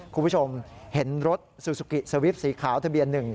คุณผู้ชมเห็นรถซูซูกิสวิปสีขาวทะเบียนหนึ่ง